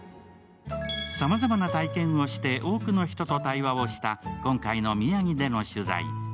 さまざまな体験をして多くの人と対話をした今回の宮城での取材。